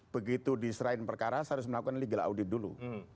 begitu diserahkan perkara harus melakukan legal audit dulu